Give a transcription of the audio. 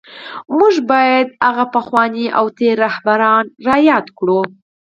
موږ باید هغه مخکښ او تېر رهبران را یاد کړو